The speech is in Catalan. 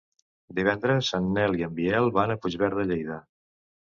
Divendres en Nel i en Biel van a Puigverd de Lleida.